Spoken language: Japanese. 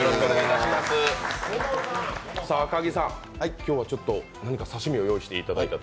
今日は刺身を用意していただいたと？